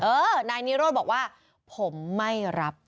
เออนายนิโรธบอกว่าผมไม่รับ